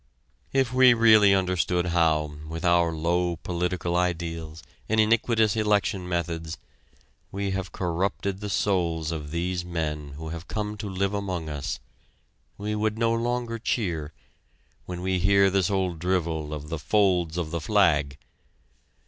If we really understood how, with our low political ideals and iniquitous election methods, we have corrupted the souls of these men who have come to live among us, we would no longer cheer, when we hear this old drivel of the "folds of the flag."